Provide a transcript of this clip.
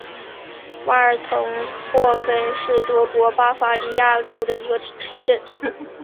瓦尔滕霍芬是德国巴伐利亚州的一个市镇。